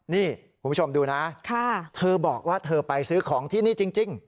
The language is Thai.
นี่คุณผู้ชมดูนะเธอบอกว่าเธอไปซื้อของที่นี่จริง